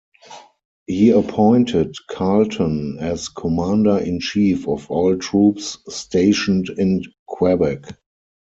He appointed Carleton as commander-in-chief of all troops stationed in Quebec.